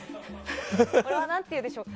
これは何て言うんでしょう。